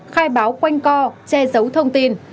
khai báo quanh co che giấu thông tin